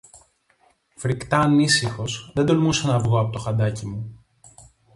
Φρικτά ανήσυχος, δεν τολμούσα να βγω από το χαντάκι μου.